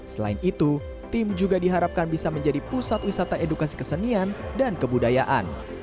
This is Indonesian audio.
selain itu tim juga diharapkan bisa menjadi pusat wisata edukasi kesenian dan kebudayaan